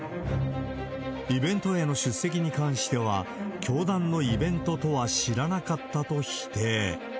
イベントへの出席に関しては、教団のイベントとは知らなかったと否定。